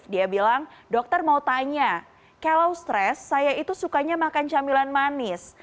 dia bilang dokter mau tanya kalau stres saya itu sukanya makan camilan manis